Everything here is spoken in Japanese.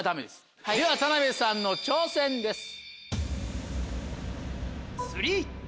では田辺さんの挑戦です。